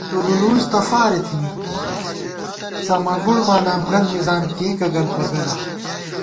څُلُل وُنڅ تہ فارےتھِنی، څمہ گُوڑمالامگل مِزان کېئیکہ گلۡ پہ گلہ